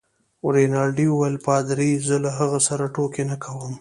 رینالډي وویل: پادري؟ زه له هغه سره ټوکې نه کوم.